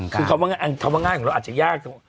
คือคำว่าง่ายของเราอาจจะยาก